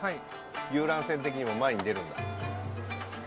遊覧船的にも前に出るんだ。